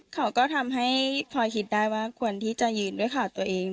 เขาก็ทำให้พลอยคิดได้ว่าควรที่จะยืนด้วยขาตัวเอง